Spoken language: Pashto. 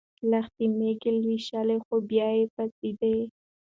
لښتې مېږې لوشلې خو بیا پاڅېده.